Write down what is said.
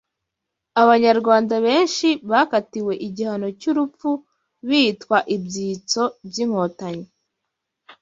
Abanyarwanda benshi bakatiwe igihano cy’urupfu bitwa ibyitso by’Inkontanyi